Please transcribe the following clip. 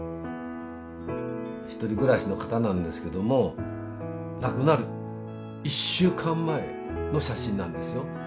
ひとり暮らしの方なんですけども亡くなる１週間前の写真なんですよ。